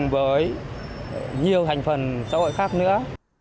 và nhiều hành phần xã hội khác nữa